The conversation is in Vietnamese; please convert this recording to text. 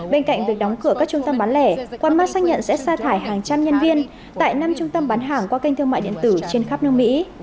bên cạnh việc đóng cửa các trung tâm bán lẻ qua mắt xác nhận sẽ xa thải hàng trăm nhân viên tại năm trung tâm bán hàng qua kênh thương mại điện tử trên khắp nước mỹ